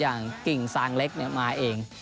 อย่างกิ่งสางเล็กมาเอง